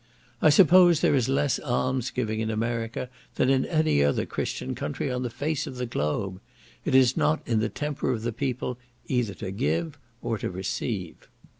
I suppose there is less alms giving in America than in any other Christian country on the face of the globe. It is not in the temper of the people either to give or to receive.